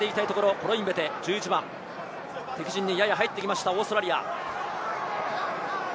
コロインベテ、敵陣にやや入ってきました、オーストラリア。